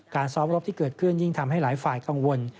ซ้อมรบที่เกิดขึ้นยิ่งทำให้หลายฝ่ายกังวล